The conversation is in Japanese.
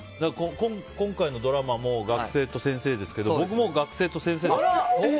今回のドラマも学生と先生ですけど、僕も学生と先生で。